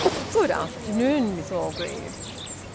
"Good after_noon_, Miss Orgreave!"